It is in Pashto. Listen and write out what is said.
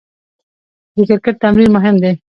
د کرکټ تمرین مهم دئ.